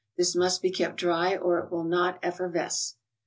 This must be kept dry or it will not effervesce.